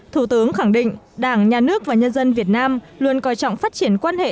thủ tướng khẳng định đảng nhà nước và nhân dân việt nam luôn coi trọng phát triển quan hệ